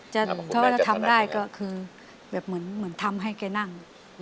ถ้าทำได้ก็คือแบบเหมือนทำให้แกนั่ง